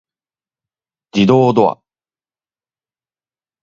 自動ドア